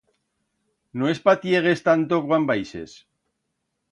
No espatiegues tanto cuan baixes.